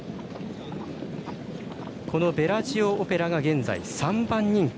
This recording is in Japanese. このベラジオオペラが現在３番人気。